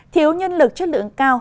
thiếu nhân lực chất lượng cao